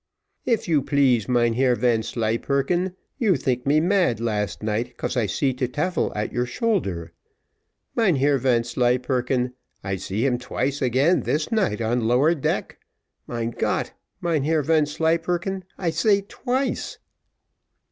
"If you please, Mynheer Vanslyperken, you think me mad last night 'cause I see de tyfel at your shoulder. Mynheer Vanslyperken, I see him twice again this night on lower deck. Mein Gott! Mynheer Vanslyperken, I say twice."